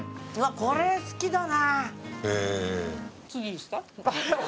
・これ好きだな。